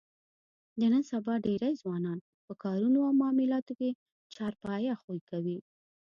د نن سبا ډېری ځوانان په کارونو او معاملاتو کې چارپایه خوی کوي.